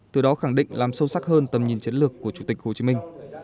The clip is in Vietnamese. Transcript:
từ đó khẳng định làm sâu sắc hơn tầm nhìn chiến lược của chủ tịch hồ chí minh